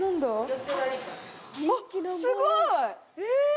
え！